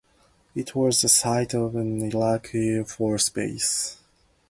It was the site of an Iraqi Air Force base.